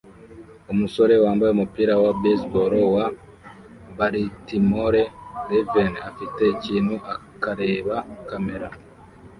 Umusore wambaye umupira wa baseball wa Baltimore Ravens afite ikintu akareba kamera